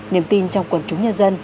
niềm tin trong quần chúng nhân dân